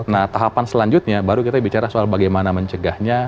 nah tahapan selanjutnya baru kita bicara soal bagaimana mencegahnya